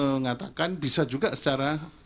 mengatakan bisa juga secara